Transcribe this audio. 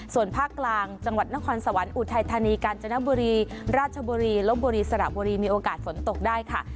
ส่วนภาคกลางจังหวัดนครสวรรค์อุทัยธานีกาญจนบุรีราชบุรีลบบุรีสระบุรีมีโอกาสฝนตกได้ค่ะ